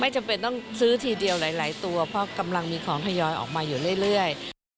จำเป็นต้องซื้อทีเดียวหลายตัวเพราะกำลังมีของทยอยออกมาอยู่เรื่อย